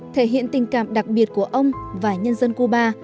thể hiện tình cảm đặc biệt của ông và nhân dân cuba